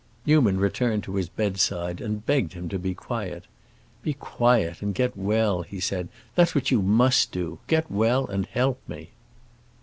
Newman returned to his bedside and begged him to be quiet. "Be quiet and get well," he said. "That's what you must do. Get well and help me."